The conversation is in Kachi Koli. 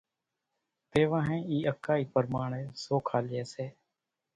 تيوانۿين اِي اڪائي پرماڻي سوکا لي سي۔